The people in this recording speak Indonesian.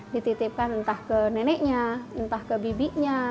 dititipkan entah ke neneknya entah ke bibinya